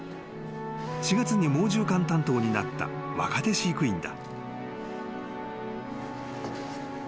［４月にもうじゅう館担当になった若手飼育員だ］